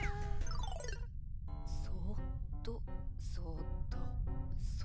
そっとそっとそ。